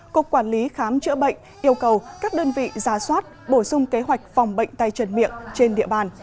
cục quản lý khám chữa bệnh yêu cầu các đơn vị ra soát bổ sung kế hoạch phòng bệnh tay chân miệng trên địa bàn